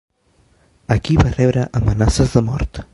Aquí va rebre amenaces de mort.